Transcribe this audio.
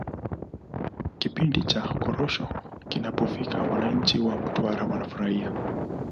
kipindi cha korosho kinapofika wananchi wa mtwara wanafurahia